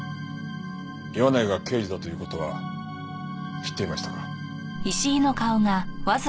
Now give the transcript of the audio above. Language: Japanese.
岩内が刑事だという事は知っていましたか。